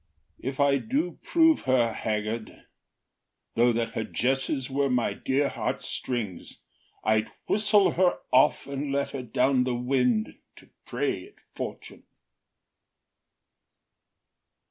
If I do prove her haggard, Though that her jesses were my dear heartstrings, I’d whistle her off, and let her down the wind To prey at fortune.